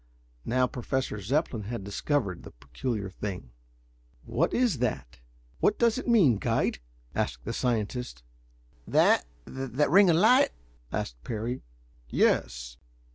Now Professor Zepplin had discovered the peculiar thing. "What is that what does it mean, guide?" asked the scientist. "That that ring of light?" asked Parry. "Yes."